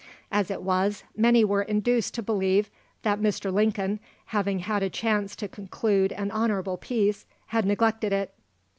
As it was, many were induced to believe that Mr. Lincoln, having had a chance to conclude an honourable peace, had neglected it.